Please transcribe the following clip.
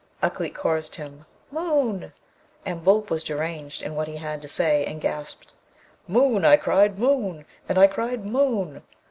Ukleet chorused him, 'Moon!' and Boolp was deranged in what he had to say, and gasped, Moon! I cried, Moon! and I cried, Moon!